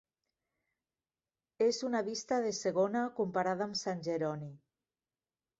És una vista de segona comparada am Sant Jeroni.